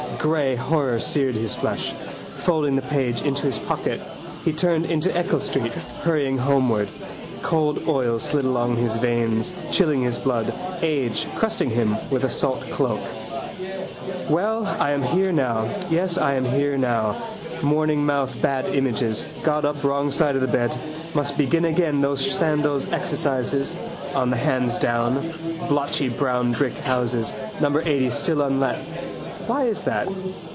Grey horror seared his flesh. Folding the page into his pocket he turned into Eccles street, hurrying homeward. Cold oils slid along his veins, chilling his blood: age crusting him with a salt cloak. Well, I am here now. Yes, I am here now. Morning mouth bad images. Got up wrong side of the bed. Must begin again those Sandow's exercises. On the hands down. Blotchy brown brick houses. Number eighty still unlet. Why is that?